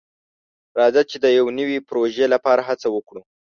راځه چې د یو نوي پروژې لپاره هڅه وکړو.